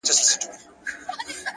صبر د ستونزو شور اراموي!.